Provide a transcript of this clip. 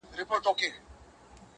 کورنۍ لا هم ټوټه ټوټه ده،